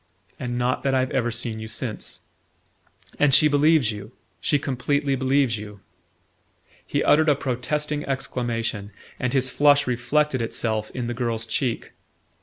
"And not that I've ever seen you since..." "And she believes you she completely believes you?" He uttered a protesting exclamation, and his flush reflected itself in the girl's cheek.